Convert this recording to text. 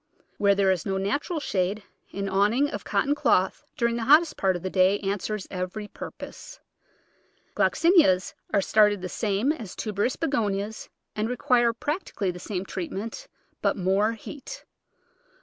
Where there is no natural shade an awning of cotton cloth during the hottest part of the day answers every purpose. Glox inias are started the same as tuberous Begonias and require practically the same treatment, but more heat.